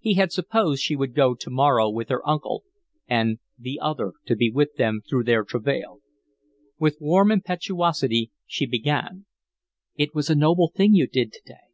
He had supposed she would go to morrow with her uncle and the other, to be with them through their travail. With warm impetuosity she began: "It was a noble thing you did to day.